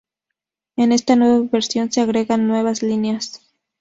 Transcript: En esta nueva versión se agrega nuevas líneas.